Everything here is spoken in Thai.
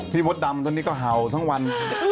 มดดำตอนนี้ก็เห่าทั้งวัน